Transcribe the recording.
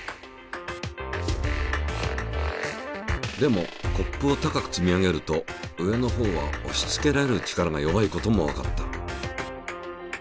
でもコップを高く積み上げると上のほうはおしつけられる力が弱いこともわかった。